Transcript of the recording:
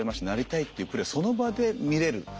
なりたいっていうプレーをその場で見れる。